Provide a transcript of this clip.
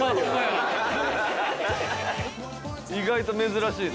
意外と珍しいね。